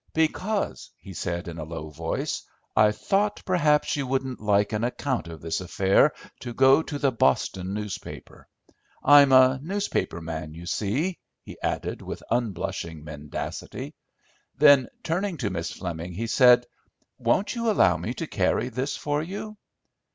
"Because," he said, in a low voice, "I thought perhaps you wouldn't like an account of this affair to go to the Boston newspapers. I'm a newspaper man, you see," he added, with unblushing mendacity. Then, turning to Miss Fleming, he said, "Won't you allow me to carry this for you?"